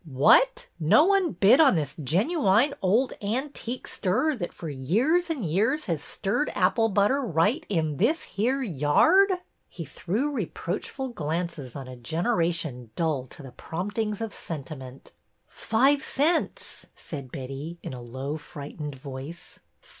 ''What? No one bid on this genooine old an tique stirrer that for years and years has stirred apple butter right in this here yard ?" He threw reproachful glances on a generation dull to the promptings of sentiment. " Five cents! " said Betty, in a low, frightened voice.